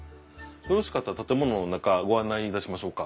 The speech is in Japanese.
よろしかったら建物の中ご案内いたしましょうか？